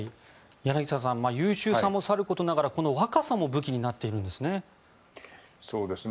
柳澤さん優秀さもさることながらこの若さも武器になっているんですね。